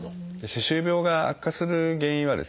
歯周病が悪化する原因はですね